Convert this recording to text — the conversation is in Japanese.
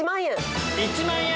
１万円。